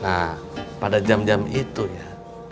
nah pada jam jam itu ya